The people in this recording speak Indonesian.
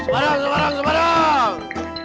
semarang semarang semarang